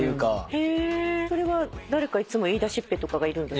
それは誰かいつも言いだしっぺとかがいるんですか？